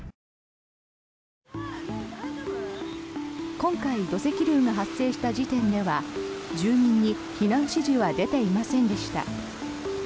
今回土石流が発生した時点では住民に避難指示は出ていませんでした。